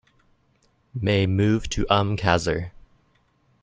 May move to Umm Qasr.